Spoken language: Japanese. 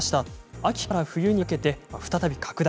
秋から冬にかけて再び拡大。